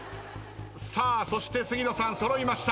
さあそして杉野さん揃いました。